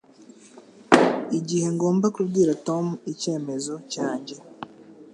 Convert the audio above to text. igihe ngomba kubwira Tom icyemezo cyanjye